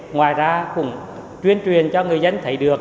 ngoài ra cũng truyền truyền cho người dân thấy được